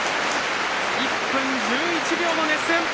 １分１１秒の熱戦。